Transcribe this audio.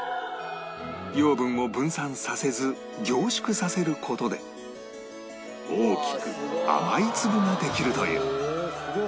養分を分散させず凝縮させる事で大きく甘い粒ができるという